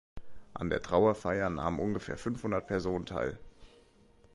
An der Trauerfeier nahmen ungefähr fünfhundert Personen teil.